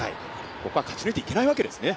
ここは勝ち抜いていけないわけですね。